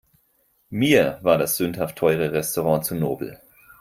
Mir war das sündhaft teure Restaurant zu nobel.